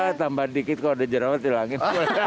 ya tambahan dikit kalau ada jerawat di langit